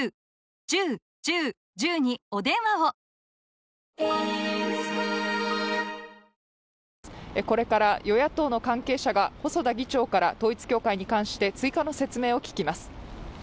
ところがこれから与野党の関係者が細田議長から統一教会に関して追加の説明を聞きます。